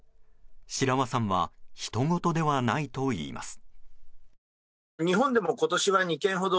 白輪さんはひとごとではないといいます。